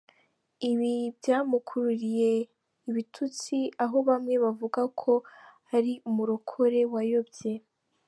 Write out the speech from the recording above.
Ibi byamukururiye ibitutsi aho bamwe bavugaga ko ‘ari umurokore wayobye’.